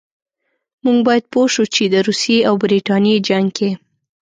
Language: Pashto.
موږ باید پوه شو چې د روسیې او برټانیې جنګ کې.